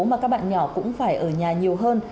mà các bạn nhỏ cũng phải ở nhà nhiều hơn